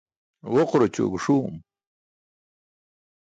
Ġoquraćue guṣuum.